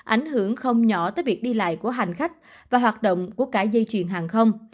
ảnh hưởng không nhỏ tới việc đi lại của hành khách và hoạt động của cả dây chuyển hàng không